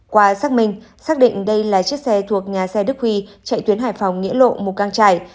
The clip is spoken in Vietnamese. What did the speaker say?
qua xác minh xác định đây là chiếc xe thuộc nhà xe đức huy chạy tuyến hải phòng nghĩa lộ mù căng trải